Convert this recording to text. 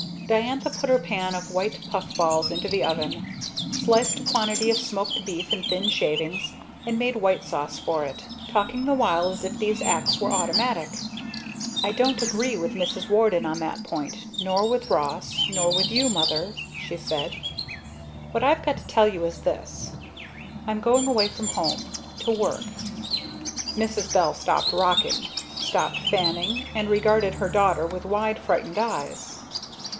Diantha put her pan of white puff balls into the oven, sliced a quantity of smoked beef in thin shavings, and made white sauce for it, talking the while as if these acts were automatic. "I don't agree with Mrs. Warden on that point, nor with Ross, nor with you, Mother," she said, "What I've got to tell you is this I'm going away from home. To work." Mrs. Bell stopped rocking, stopped fanning, and regarded her daughter with wide frightened eyes.